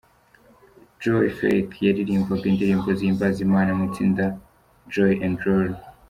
Joey Feek yaririmbaga indirimbo zihimbaza Imana mu itsinda Joey & Rory.